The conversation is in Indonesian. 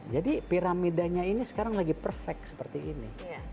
jadi piramidanya ini sekarang lagi perfect seperti ini